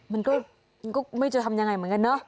มันก็ไม่จะทำยังไงเหมือนกันเนอะ